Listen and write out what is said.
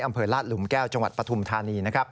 อำเภอลาดหลุมแก้วจังหวัดปฐุมธานีนะครับ